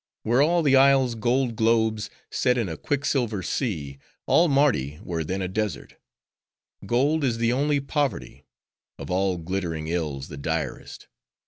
Were all the isles gold globes, set in a quicksilver sea, all Mardi were then a desert. Gold is the only poverty; of all glittering ills the direst.